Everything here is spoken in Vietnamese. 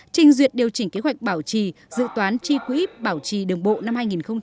trình duyệt điều chỉnh kế hoạch bảo trì dự toán tri quỹ bảo trì đường bộ năm hai nghìn hai mươi